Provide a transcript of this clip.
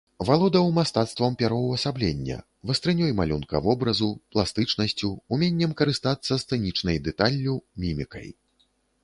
Валодаў мастацтвам пераўвасаблення, вастрынёй малюнка вобразу, пластычнасцю, уменнем карыстацца сцэнічнай дэталлю, мімікай.